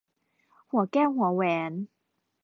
หัวแก้วหัวแหวน